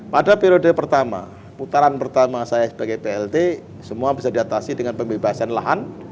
pada periode pertama putaran pertama saya sebagai plt semua bisa diatasi dengan pembebasan lahan